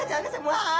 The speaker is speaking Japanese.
わあ！